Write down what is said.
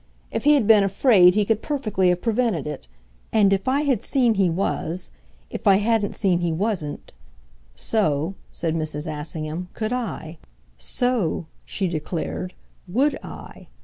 If he had been afraid he could perfectly have prevented it. And if I had seen he was if I hadn't seen he wasn't so," said Mrs. Assingham, "could I. So," she declared, "WOULD I.